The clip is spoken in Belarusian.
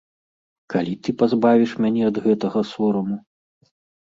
Калі ты пазбавіш мяне ад гэтага сораму?